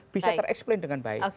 bisa ter explain dengan baik